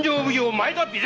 前田備前